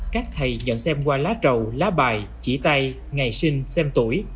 các thầy nhận xem qua lá trầu lá bài chỉ tay ngày sinh xem tuổi